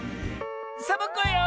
サボ子よ！